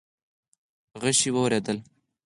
غشې وورېدې.